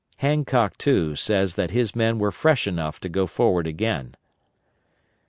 Hancock, too, says that his men were fresh enough to go forward again.